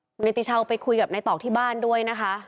แค่เกือบในตอกที่บ้านด้วยนะค่ะ